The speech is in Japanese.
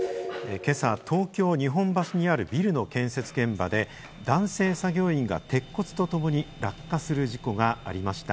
今朝、東京・日本橋にあるビルの建設現場で、男性作業員が鉄骨とともに落下する事故がありました。